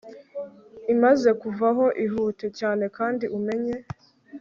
imaze kuvaho ihute cyane kandi umenye